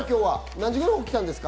何時頃起きたんですか？